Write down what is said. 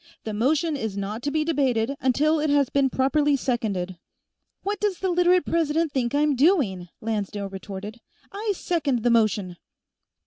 "The motion is not to be debated until it has been properly seconded." "What does the Literate President think I'm doing?" Lancedale retorted. "I second the motion!"